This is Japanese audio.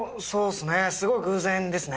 すごい偶然ですね。